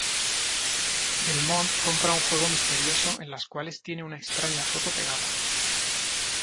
Belmont compra un juego misterioso en las cuales tiene una extraña foto pegada.